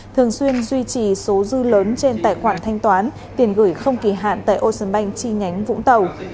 thường xuyên duy trì số dư lớn trên tài khoản thanh toán tiền gửi không kỳ hạn tại ô sơn banh chi nhánh vũng tàu